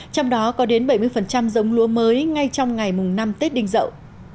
trong đó có đến bảy mươi giống lúa mới ngay trong ngày mùng năm tết đinh dậu